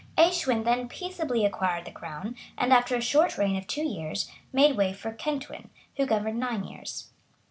Escwin then peaceably acquired the crown; and, after a short reign of two years, made way for Kentwin, who governed nine years.